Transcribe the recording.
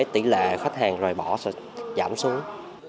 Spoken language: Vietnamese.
thì là khách hàng rời bỏ sẽ giảm xuống